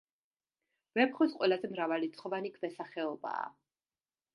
ვეფხვის ყველაზე მრავალრიცხოვანი ქვესახეობაა.